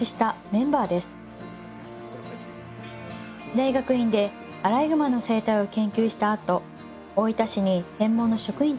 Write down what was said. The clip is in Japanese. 大学院でアライグマの生態を研究したあと大分市に専門の職員として就職しました